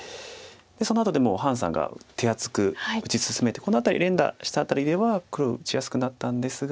そのあとでも潘さんが手厚く打ち進めてこの辺り連打した辺りでは黒打ちやすくなったんですが。